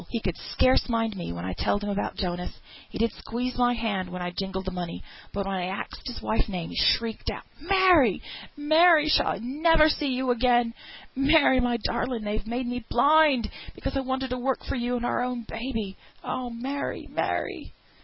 He could scarce mind me when I telled him about Jonas; he did squeeze my hand when I jingled the money, but when I axed his wife's name he shrieked out, 'Mary, Mary, shall I never see you again? Mary, my darling, they've made me blind because I wanted to work for you and our own baby; oh, Mary, Mary!'